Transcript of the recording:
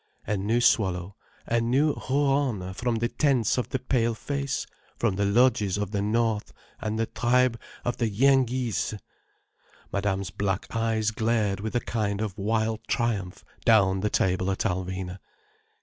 A new swallow, a new Huron from the tents of the pale face, from the lodges of the north, from the tribe of the Yenghees." Madame's black eyes glared with a kind of wild triumph down the table at Alvina.